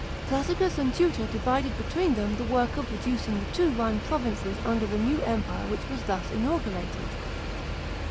Classicus and Tutor divided between them the work of reducing the two Rhine provinces under the new empire which was thus inaugurated.